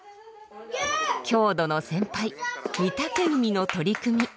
郷土の先輩御嶽海の取り組み。